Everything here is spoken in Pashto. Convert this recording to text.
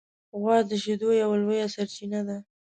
غوا د شیدو یوه لویه سرچینه ده.